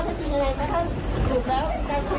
ได้เรื่องของชาวท่าสู่ไทยบอกว่า